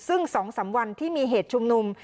ซึ่ง๒๓วันที่มีเหตุชุมนุม